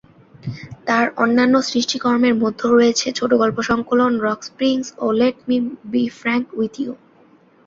তার অন্যান্য সৃষ্টিকর্মের মধ্যে রয়েছে ছোটগল্প সংকলন "রক স্প্রিংস" ও "let me be frank with you".